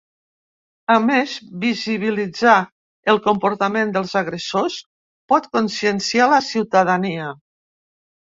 A més, visibilitzar el comportament dels agressors pot conscienciar la ciutadania.